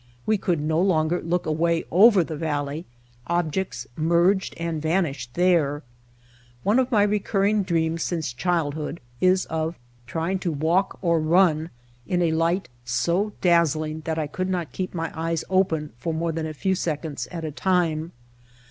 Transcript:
We could no longer look away over the valley, objects merged and vanished there. One of my recurring dreams since childhood is of trying to walk or run in a light so dazzling that I could not keep my eyes open for more than a few seconds at a time.